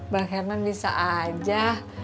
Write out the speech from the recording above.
bang herman bisa aja